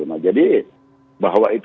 nah jadi bahwa itu